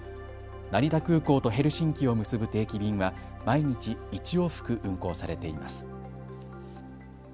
成田空港とヘルシンキを結ぶ定期便は毎日１往復運航されています。